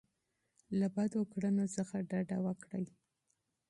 له بدو کړنو څخه ډډه وکړئ.